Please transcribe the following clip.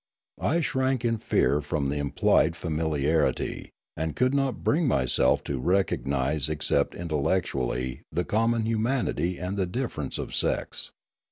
I shrank in fear from the implied familiarity, and could not bring myself to recognise except intellectually the common humanity and the difference of sex.